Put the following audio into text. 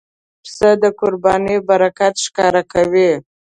پسه د قربانۍ برکت ښکاره کوي.